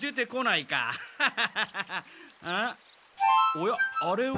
おやあれは。